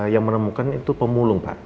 yang menemukan itu pemulung pak